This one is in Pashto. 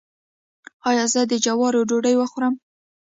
ایا زه د جوارو ډوډۍ وخورم؟